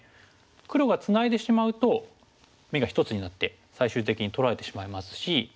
黒がツナいでしまうと眼が１つになって最終的に取られてしまいますし。